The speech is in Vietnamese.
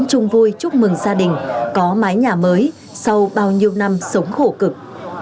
chung vui chúc mừng gia đình có mái nhà mới sau bao nhiêu năm sống khổ cực